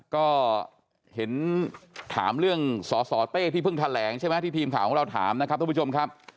ก็เห็นถามเรื่องสสเต้ที่พึ่งแถลงที่ทีมข่าวของเราถามท่านผู้ชมครับ